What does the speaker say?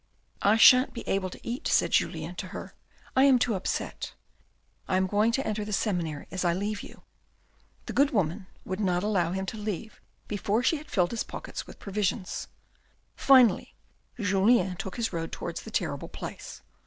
" I shan't be able to eat," said Julien to her. " I am too upset. I am going to enter the seminary, as I leave you." The good woman, would not allow him to leave before she had filled his pockets with provisions. Finally Julien took his road towards the terrible place.